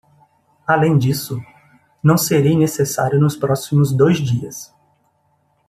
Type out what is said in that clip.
Além disso? não serei necessário nos próximos dois dias.